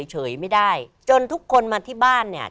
เฉยไม่ได้จนทุกคนมาที่บ้านเนี่ย